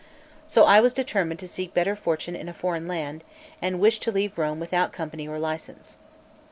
So I was determined to seek better fortune in a foreign land, and wished to leave Rome without company or license.